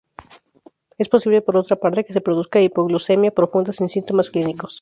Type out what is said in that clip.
Es posible por otra parte, que se produzca hipoglucemia profunda sin síntomas clínicos.